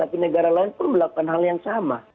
tapi negara lain pun melakukan hal yang sama